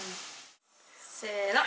せの。